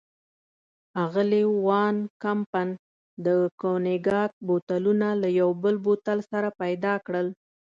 اغلې وان کمپن د کونیګاک بوتلونه له یو بل بوتل سره پيدا کړل.